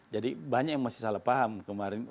jadi banyak yang masih salah paham kemarin